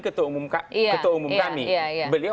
ketua umum kami beliau